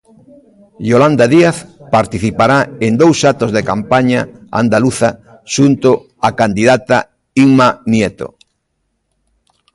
Iolanda Díaz participará en dous actos da campaña andaluza xunto a candidata Inma Nieto.